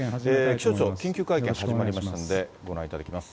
気象庁の緊急会見始まりましたので、ご覧いただきます。